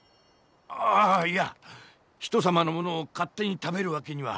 あいや人様のものを勝手に食べるわけには。